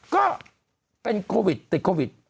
ก็เป็นโควิดติดโควิด